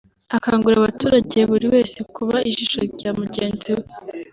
Akangurira abaturage buri wese kuba ijisho rya mugenzi we